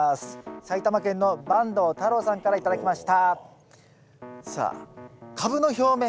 埼玉県の坂東太郎さんから頂きました。